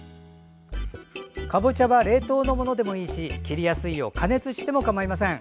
かぼちゃは冷凍のものでもいいし切りやすいよう加熱してもかまいません。